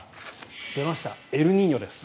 出ました、エルニーニョです。